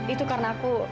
itu karena aku